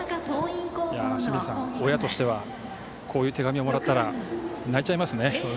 清水さん、親としてはこういう手紙をもらったら泣いちゃいますね。